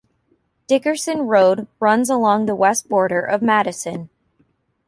Dickerson Road runs along the west border of Madison.